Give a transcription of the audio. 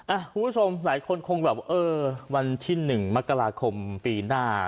คุณผู้ชมหลายคนคงแบบว่าเออวันที่๑มกราคมปีหน้า